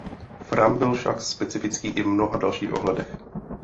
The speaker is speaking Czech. Fram byl však specifický i v mnoha dalších ohledech.